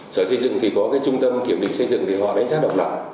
sở xây dựng thì có cái trung tâm kiểm định xây dựng thì họ đánh giá độc lập